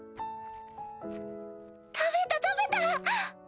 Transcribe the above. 食べた食べた！